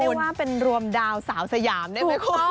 ว่าเป็นรวมดาวสาวสยามได้ไหมคุณ